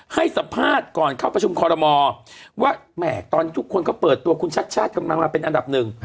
ให้สัมภาษณ์ก่อนเข้าประชุมคอรมอว่าแหม่ตอนนี้ทุกคนก็เปิดตัวคุณชัดชาติกำลังมาเป็นอันดับหนึ่ง